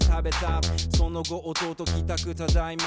その後弟帰たくただいま。